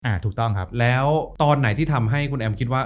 ถูกต้องครับแล้วตอนไหนที่ทำให้คุณแอมคิดว่า